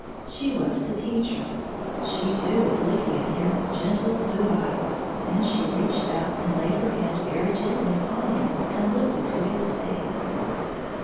She was the teacher. She too was lookmg at him with gentle blue eyes, then she reached out and laid her hand very gently upon him and looked into his face.